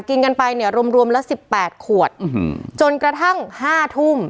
กินกันไปเนี่ยรวมรวมละสิบแปดขวดจนกระทั่งห้าทุ่ม